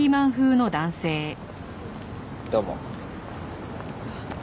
どうも。